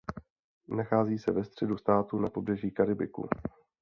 Nachází se ve středu státu na pobřeží Karibiku.